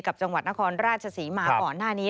จังหวัดนครราชศรีมาก่อนหน้านี้